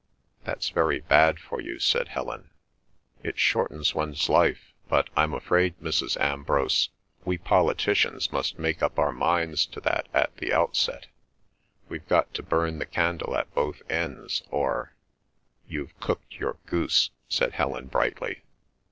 "That's very bad for you," said Helen. "It shortens one's life; but I'm afraid, Mrs. Ambrose, we politicians must make up our minds to that at the outset. We've got to burn the candle at both ends, or—" "You've cooked your goose!" said Helen brightly.